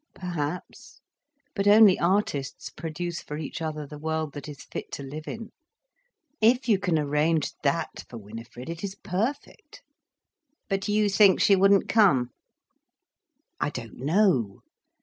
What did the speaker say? "Perhaps. But only artists produce for each other the world that is fit to live in. If you can arrange that for Winifred, it is perfect." "But you think she wouldn't come?" "I don't know.